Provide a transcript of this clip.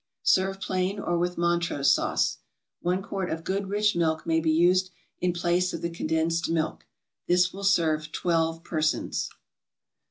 Serve plain or with Montrose Sauce. One quart of good rich milk may be used in place of the condensed milk. This will serve twelve persons.